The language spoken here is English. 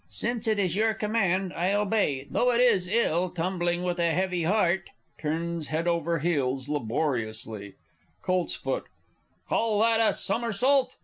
Since it is your command, I obey, though it is ill tumbling with a heavy heart! [Turns head over heels laboriously. Colts. Call that a somersault?